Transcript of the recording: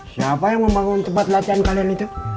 siapa yang membangun tempat latihan kalian itu